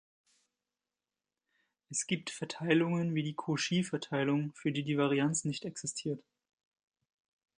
Es gibt Verteilungen wie die Cauchy-Verteilung, für die die Varianz nicht existiert.